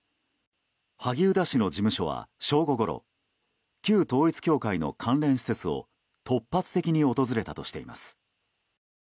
萩生田氏の事務所は正午ごろ旧統一教会の関連施設を突発的に訪れたとしています。